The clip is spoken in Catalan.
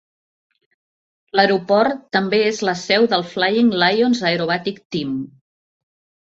L'aeroport també és la seu del Flying Lions Aerobatic Team.